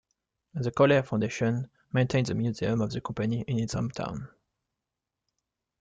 The CallAir Foundation maintains a museum of the company in its hometown.